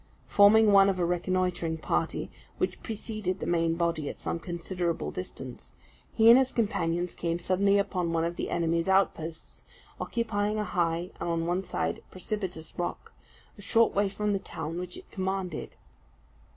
Forming one of a reconnoitring party, which preceded the main body at some considerable distance, he and his companions came suddenly upon one of the enemy's outposts, occupying a high, and on one side precipitous rock, a short way from the town, which it commanded.